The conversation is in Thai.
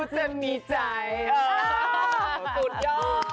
สุดยอด